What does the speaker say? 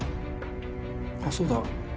あっそうだ。